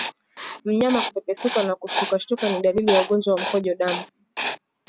Mnyama kupepesuka na kushtukashtuka ni dalili ya ugonjwa wa mkojo damu